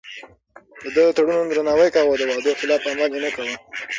ده د تړونونو درناوی کاوه او د وعدو خلاف عمل يې نه کاوه.